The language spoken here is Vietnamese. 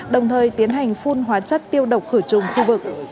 đồng thời tiến hành phun hóa chất tiêu độc khử trùng khu vực